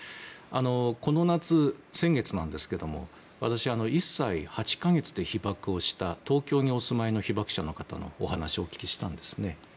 この夏、先月なんですけども私、１歳８か月で被爆をした東京にお住まいの被爆者の方のお話をお聞きしたんですね。